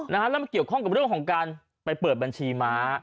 แล้วมันเกี่ยวข้องกับเรื่องของการไปเปิดบัญชีม้า